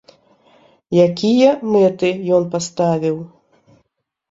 Якія мэты ён паставіў?